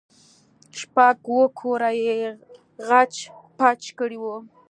شپږ اوه کوره يې خچ پچ کړي وو.